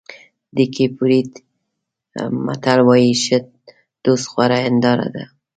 د کېپ ورېډ متل وایي ښه دوست غوره هنداره ده.